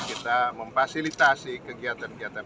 kita memfasilitasi kegiatan kegiatan